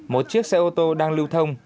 một chiếc xe ô tô đang lưu thông